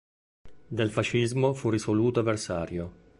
Del fascismo fu risoluto avversario.